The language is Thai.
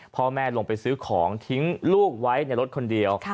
พ่อแม่ลงไปซื้อของทิ้งลูกไว้ในรถคนเดียว